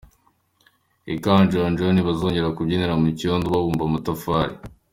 I Kanjonjo ntibazongera kubyinira mu cyondo babumba amatafari